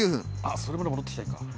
それまでに戻ってきたらいいか。